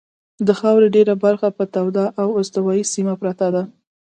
د خاورې ډېره برخه په توده او استوایي سیمه پرته ده.